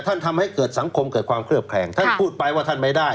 ทำให้เกิดสังคมเกิดความเคลือบแคลงท่านพูดไปว่าท่านไม่ได้